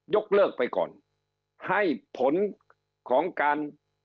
ยกเลิกไปก่อนให้ผลของการ